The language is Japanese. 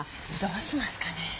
どうしますかね。